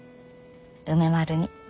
梅丸に。